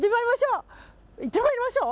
行ってまいりましょう！